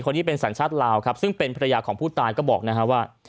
คนนี้เป็นสัญชาติลาวครับซึ่งเป็นภรรยาของผู้ตายก็บอกนะฮะว่า